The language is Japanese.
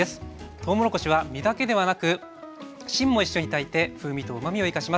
とうもろこしは実だけではなく芯も一緒に炊いて風味とうまみを生かします。